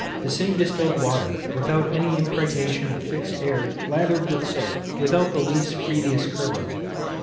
The same distilled water without any impregnation of fixed air lathered with soap without the least previous curdling.